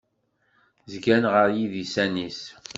Zgan ɣer yidisan-is.